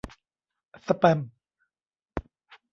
สแปม ?